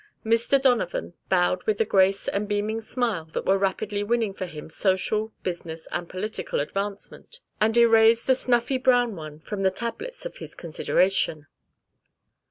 Mr. Donovan bowed with the grace and beaming smile that were rapidly winning for him social, business and political advancement, and erased the snuffy brown one from the tablets of his consideration.